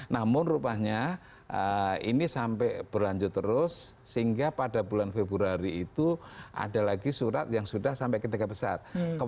namun rupanya ini sampai berlanjut terus sehingga pada bulan februari itu ada lagi surat yang sudah sampai ketiga besar